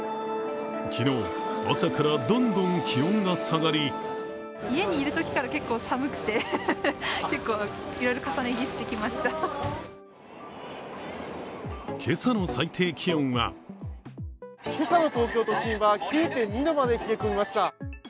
昨日、朝からどんどん気温が下がり今朝の最低気温は今朝の東京都心は９．２度まで冷え込みました。